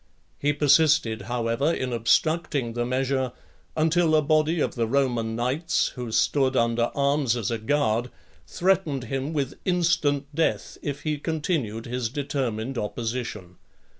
He persisted, however, in obstructing the measure, until a body of the Roman knights, who stood under arms as a guard, threatened him with instant death, if he continued his determined opposition.